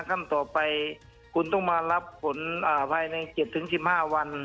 ขั้นต่อไปคุณต้องมารับผลภายใน๗๑๕วัน